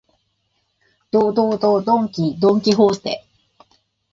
ど、ど、ど、ドンキ、ドンキホーテ